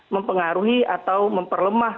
mempengaruhi atau memperlemah